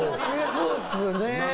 そうっすね。